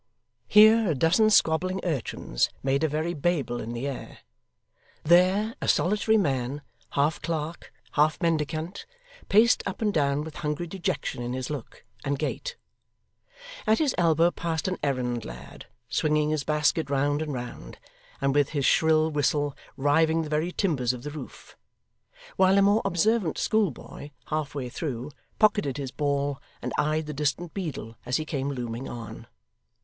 Here, a dozen squabbling urchins made a very Babel in the air; there, a solitary man, half clerk, half mendicant, paced up and down with hungry dejection in his look and gait; at his elbow passed an errand lad, swinging his basket round and round, and with his shrill whistle riving the very timbers of the roof; while a more observant schoolboy, half way through, pocketed his ball, and eyed the distant beadle as he came looming on.